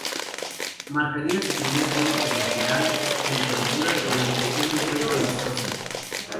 Marcaría su primer gol internacional frente a Honduras durante un encuentro amistoso.